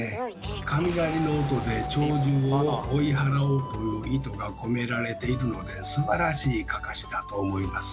雷の音で鳥獣を追い払おうという意図が込められているのですばらしいかかしだと思います。